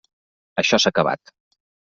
Això s'ha acabat.